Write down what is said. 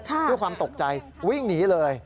ด้วยความตกใจวิ่งหนีเลย